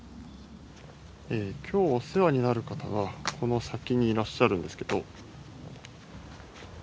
今日お世話になる方がこの先にいらっしゃるんですけど。